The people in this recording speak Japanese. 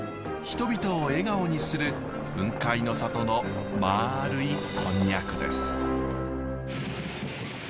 人々を笑顔にする雲海の里のまあるいコンニャクです。